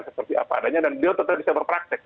seperti apa adanya dan beliau tetap bisa berpraktek